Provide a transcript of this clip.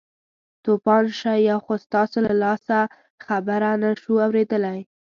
توپان شئ یو خو ستاسو له لاسه خبره نه شوو اورېدلی.